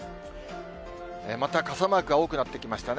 また傘マークが多くなってきましたね。